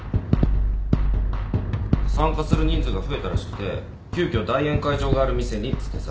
参加する人数が増えたらしくて急きょ大宴会場がある店にっつってさ